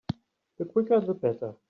The quicker the better.